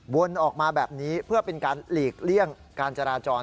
วนออกมาแบบนี้เพื่อเป็นการหลีกเลี่ยงการจราจร